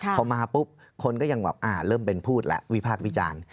พอมาปุ๊บคนก็ยังแบบเริ่มเป็นพูดแล้ววิพากษ์วิจารณ์